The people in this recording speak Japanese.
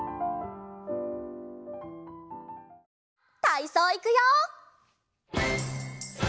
たいそういくよ！